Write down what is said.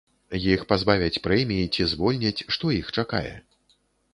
Іх пазбавяць прэміі ці звольняць, што іх чакае?